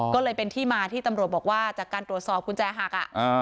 ก็เลยเป็นที่มาที่ตำรวจบอกว่าจากการตรวจสอบกุญแจหัก